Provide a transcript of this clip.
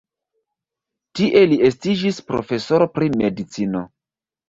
Tie li estiĝis profesoro pri medicino.